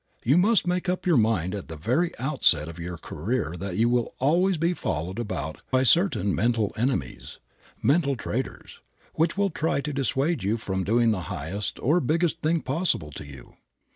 You must make up your mind at the very outset of your career that you will always be followed about by certain mental enemies, mental traitors, which will try to dissuade you from doing the highest or biggest thing possible to you.